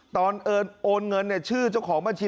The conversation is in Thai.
โอนเงินชื่อเจ้าของบัญชี